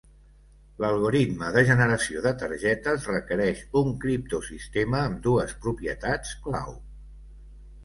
L'algoritme de generació de targetes requereix un criptosistema amb dues propietats clau.